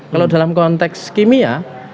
kalau dalam konteks kimia